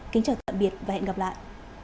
kính chào tạm biệt và hẹn gặp lại